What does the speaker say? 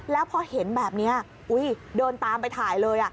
แล้วพอเห็นแบบนี้เดินตามไปถ่ายเลย